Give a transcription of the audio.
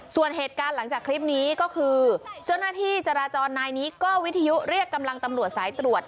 ส่วนเหตุการณ์หลังจากคลิปนี้ก็คือเจ้าหน้าที่จราจรนายนี้ก็วิทยุเรียกกำลังตำรวจสายตรวจ